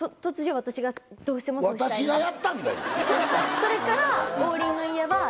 それから。